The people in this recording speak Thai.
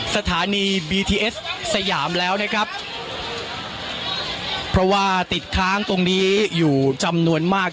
สถานีบีทีเอสสยามแล้วนะครับเพราะว่าติดค้างตรงนี้อยู่จำนวนมาก